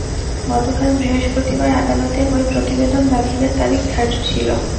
গতকাল বৃহস্পতিবার আদালতে ওই প্রতিবেদন দাখিলের তারিখ ধার্য ছিল।